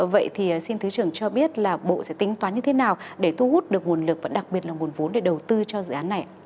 vậy thì xin thứ trưởng cho biết là bộ sẽ tính toán như thế nào để thu hút được nguồn lực và đặc biệt là nguồn vốn để đầu tư cho dự án này